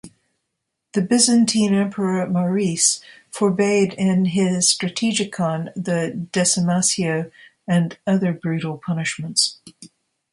The Byzantine Emperor Maurice forbade in his Strategikon the "decimatio" and other brutal punishments.